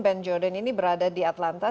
ben jordan ini berada di atlanta